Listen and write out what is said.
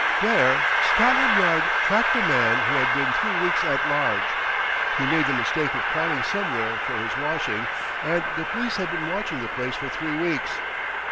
"There Scotland Yard tracked a man who had been three weeks at large. He made the mistake of calling somewhere for his washing, and the police had been watching the place for three weeks."